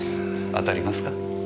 当たりますか？